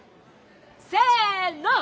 せの！